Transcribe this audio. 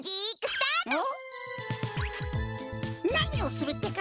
なにをするってか？